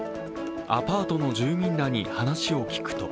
アパートの住民らに話を聞くと